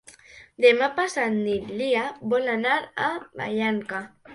Demà passat na Lia vol anar a Vallanca.